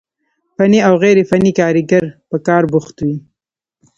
فني او غير فني کاريګر په کار بوخت وي،